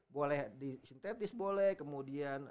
boleh di sintetis boleh kemudian